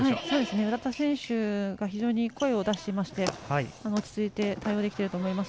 浦田選手が声を出しまして落ち着いて対応できていると思います。